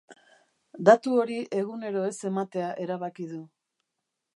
Datu hori egunero ez ematea erabaki du.